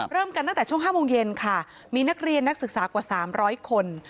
เริ่มกันตั้งแต่ช่วง๕โมงเย็นค่ะมีนักเรียนนักศึกษากว่า๓๐๐คน